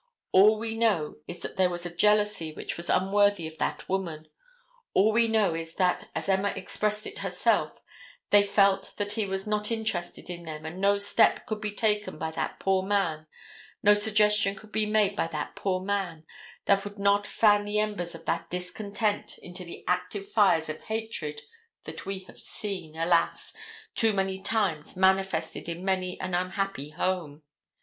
All we know is that there was a jealousy which was unworthy of that woman. All we know is that, as Emma expressed it herself, they felt that he was not interested in them and no step could be taken by that poor man, no suggestion could be made by that poor man, that would not fan the embers of that discontent into the active fires of hatred that we have seen, alas, too many times manifested in many an unhappy home.